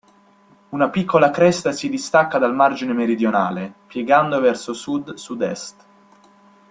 Una piccola cresta si distacca dal margine meridionale, piegando verso sud-sud-est.